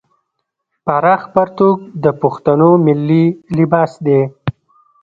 پراخ پرتوګ د پښتنو ملي لباس دی.